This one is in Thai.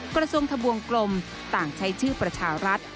กระทรวงทะบวงกลมต่างใช้ชื่อประชารัฐ